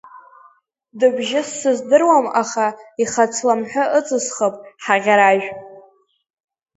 Дыбжьыс сыздыруам, аха ихацламҳәа ыҵысхып, Ҳагьаражә!